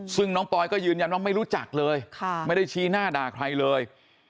ซึ่งน้องปอยก็ยืนยันว่าไม่รู้จักเลยไม่ได้ชี้หน้าด่าใครเลย